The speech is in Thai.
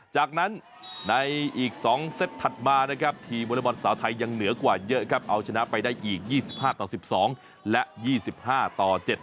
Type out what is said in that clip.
จากนั้นในอีก๒เซตถัดมาทีมหลวงบอลสาวไทยยังเหนือกว่าเยอะแค่เอาชนะไปยิป๒๕๑๒และ๒๕ต่อ๗